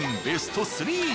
ベスト３！